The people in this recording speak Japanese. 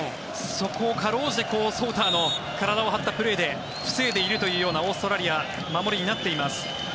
そこをかろうじてソウターの体を張ったプレーで防いでいるというオーストラリア守りになっています。